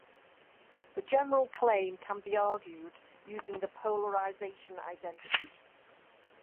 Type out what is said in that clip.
The general claim can be argued using the polarization identity.